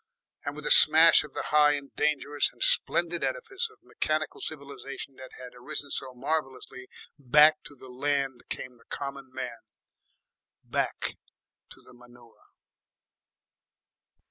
And with the smash of the high and dangerous and splendid edifice of mechanical civilisation that had arisen so marvellously, back to the land came the common man, back to the manure.